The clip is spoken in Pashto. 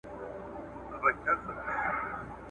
په خپل ژوند یې دومره شته نه وه لیدلي ,